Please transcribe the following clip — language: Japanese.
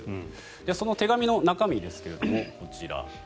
その手紙の中身ですがこちら。